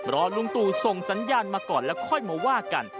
ลุงตู่ส่งสัญญาณมาก่อนแล้วค่อยมาว่ากัน